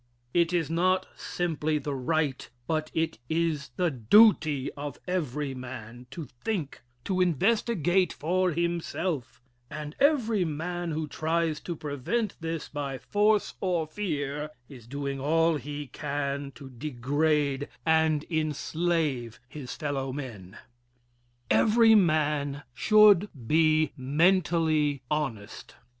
It is not simply the right, but it is the duty of every man to think to investigate for himself and every man who tries to prevent this by force or fear, is doing all he can to degrade and enslave his fellow men. Every Man Should be Mentally Honest.